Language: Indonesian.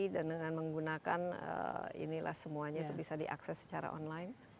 dan dengan menggunakan inilah semuanya itu bisa diakses secara online